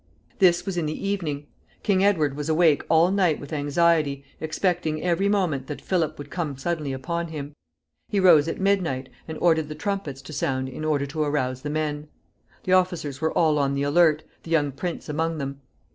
This was in the evening. King Edward was awake all night with anxiety, expecting every moment that Philip would come suddenly upon him. He rose at midnight, and ordered the trumpets to sound in order to arouse the men. The officers were all on the alert, the young prince among them.